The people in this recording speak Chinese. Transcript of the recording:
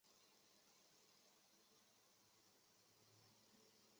内沃吉尔迪是葡萄牙波尔图区的一个堂区。